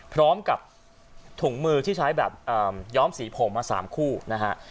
พร้อมกับถุงมือที่ใช้แบบย้อมสีผมมา๓คู่นะฮะ